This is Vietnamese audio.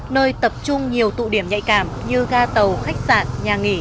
nơi tập trung nhiều tụ điểm nhạy cảm như ga tàu khách sạn nhà nghỉ